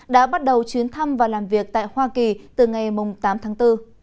đã bắt đầu chuyến thăm và làm việc tại hoa kỳ từ ngày tám tháng bốn